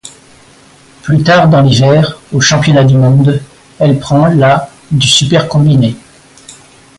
Plus tard dans l'hiver, aux Championnats du monde, elle prend la du super-combiné.